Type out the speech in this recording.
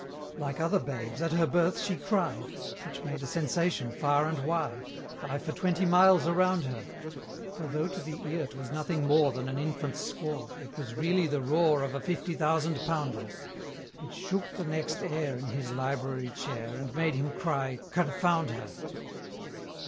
Like other babes, at her birth she cried; Which made a sensation far and wide Ay, for twenty miles around her: For though to the ear 'twas nothing more Than an infant's squall, it was really the roar Of a Fifty thousand Pounder! It shook the next heir In his library chair, And made him cry, "Confound her!"